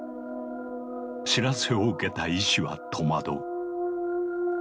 知らせを受けた医師は戸惑う。